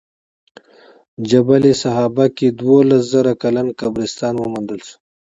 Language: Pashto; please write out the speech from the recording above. جبل سحابه کې دولس زره کلن قبرستان وموندل شو.